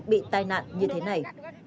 bị tai nạn như thế này